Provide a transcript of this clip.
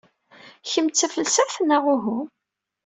Kemm d tafelsaft neɣ uhu?